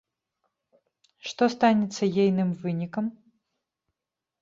Што станецца ейным вынікам?